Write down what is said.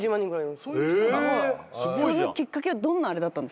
そのきっかけはどんなあれだったんですか？